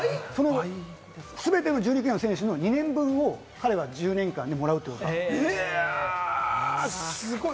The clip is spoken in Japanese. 全ての１２球団の選手の２年分を彼は１０年間でもらうということです。